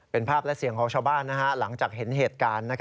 เป็นภาพและเสียงของชาวบ้านหลังจากเห็นเหตุการณ์